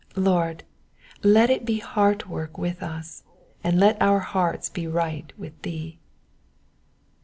Lord, let it be heart work with us, and let our hearts be right with thee.